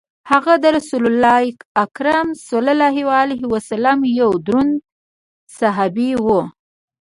هغه د رسول کریم صلی الله علیه وسلم یو دروند صحابي وو.